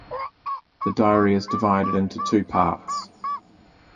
The diary is divided into two parts.